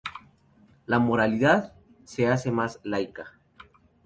La "moralidad" se hace más laica.